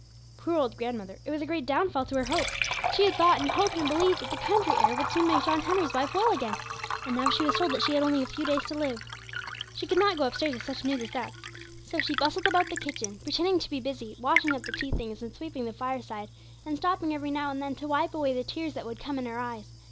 Poor old grandmother, it was a great downfall to her hopes; she had thought, and hoped, and believed, that the country air would soon make John Henry's wife well again, and now she was told that she had only a few days to live. She could not go upstairs with such news as that. So she bustled about the kitchen, pretending to be busy, washing up the tea things, and sweeping the fireside, and stopping every now and then to wipe away the tears that would come in her eyes.